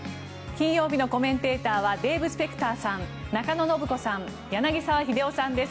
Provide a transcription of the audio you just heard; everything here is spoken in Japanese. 金曜日のコメンテーターはデーブ・スペクターさん中野信子さん、柳澤秀夫さんです